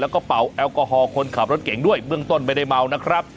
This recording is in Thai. แล้วก็เป่าแอลกอฮอลคนขับรถเก่งด้วยเบื้องต้นไม่ได้เมานะครับ